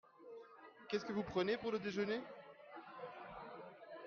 Qu'est-ce que vous prenez pour le déjeuner ?